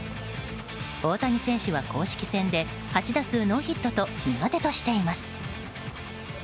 大谷選手は公式戦で８打数ノーヒットと苦手としています。